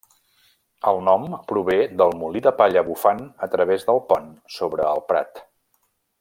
El nom prové del molí de palla bufant a través del pont sobre el prat.